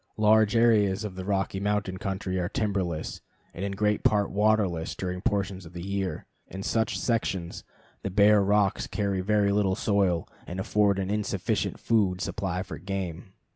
Large areas of the Rocky Mountain country are timberless and in great part waterless during portions of the year. In such sections the bare rocks carry very little soil and afford an insufficient food supply for game.